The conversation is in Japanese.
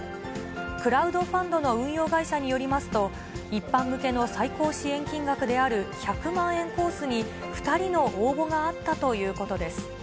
クラウドファンドの運用会社によりますと、一般向けの最高支援金額である１００万円コースに、２人の応募があったということです。